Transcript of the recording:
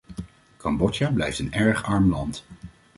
Cambodja blijft een erg arm land.